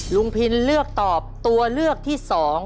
พินเลือกตอบตัวเลือกที่๒